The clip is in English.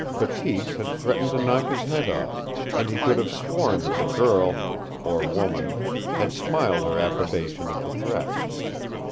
Bateese had threatened to knock his head off, and he could have sworn that the girl or woman had smiled her approbation of the threat.